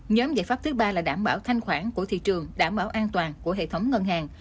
nhóm giải pháp thứ ba là đảm bảo thanh khoản của thị trường đảm bảo an toàn của hệ thống ngân hàng